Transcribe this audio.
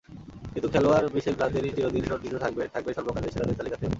কিন্তু খেলোয়াড় Michel Platini চিরদিনই নন্দিত থাকবেন, থাকবেন সর্বকালের সেরাদের তালিকাতেও।